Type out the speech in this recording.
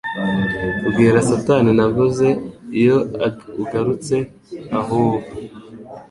Bwira satani navuze iyo ugarutse aho uva